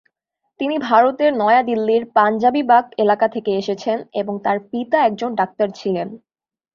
তিনি ভারতের নয়া দিল্লির পাঞ্জাবি বাগ এলাকা থেকে এসেছেন এবং তার পিতা একজন ডাক্তার ছিলেন।